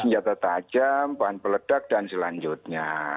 pembelajaran pohon peledak dan selanjutnya